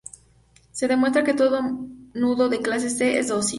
Se demuestra que todo nudo de clase C es dócil.